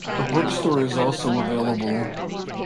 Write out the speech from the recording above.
A bookstore is also available.